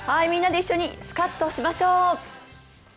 みんなで一緒にスカッとしましょう！